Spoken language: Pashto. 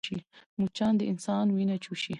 مچان د انسان وینه چوشي